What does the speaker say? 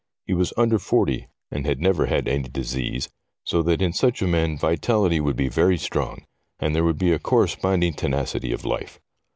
He was under forty, and had never had any disease, so that in such a man vitality would be very strong, and there would be a corresponding tenacity of life.